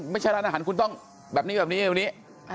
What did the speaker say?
ไม่ใช่ร้านอาหารคุณต้องแบบนี้แบบนี้แบบนี้